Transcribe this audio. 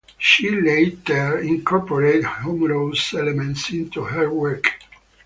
She later incorporated humorous elements into her work.